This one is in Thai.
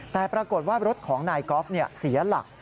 แต่ปรากฏว่ารถของนายกอล์ฟเสียหลัก